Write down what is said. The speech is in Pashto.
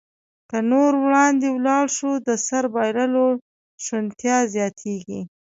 که نور وړاندې ولاړ شو، د سر بایللو شونتیا زیاتېږي.